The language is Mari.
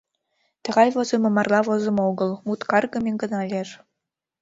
Тыгай возымо марла возымо огыл, мут каргыме гына лиеш.